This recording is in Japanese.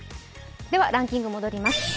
ランキング戻ります